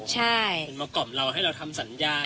เหมือนกล่อมเราให้เราทำสัญญา